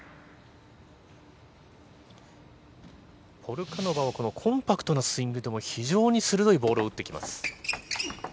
ポルカノバはこのコンパクトなスイングでも、非常に鋭いボールを打ってきます。